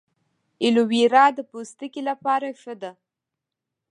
ایلوویرا د پوستکي لپاره ښه ده